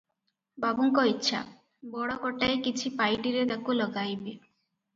ବାବୁଙ୍କ ଇଚ୍ଛା, ବଡ଼ ଗୋଟାଏ କିଛି ପାଇଟିରେ ତାକୁ ଲଗାଇବେ ।